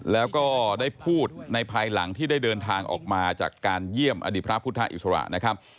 แล้วก็ได้พูดในภายหลังที่ได้เดินทางออกมาจากการเยี่ยมอดีตพระพุทธอิสระนะครับ